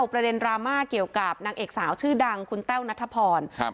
ประเด็นดราม่าเกี่ยวกับนางเอกสาวชื่อดังคุณแต้วนัทพรครับ